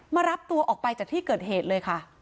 มารับตัวออกไปจากที่เกิดเหตุเลยค่ะ